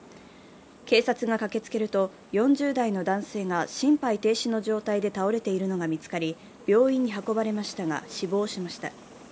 警察が駆けつけると４０代の男性が心肺停止の状態で倒れているのが見つかり、病院に運ばれましたが死亡しました。